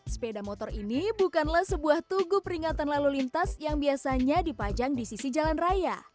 sepeda motor ini bukanlah sebuah tugu peringatan lalu lintas yang biasanya dipajang di sisi jalan raya